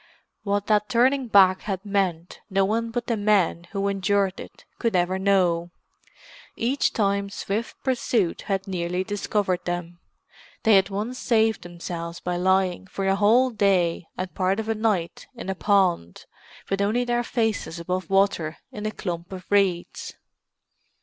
What that turning back had meant no one but the men who endured it could ever know. Each time swift pursuit had nearly discovered them; they had once saved themselves by lying for a whole day and part of a night in a pond, with only their faces above water in a clump of reeds.